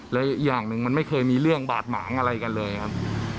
และอีกอย่างหนึ่งมันไม่เคยมีเรื่องบาดหมางอะไรกันเลยครับ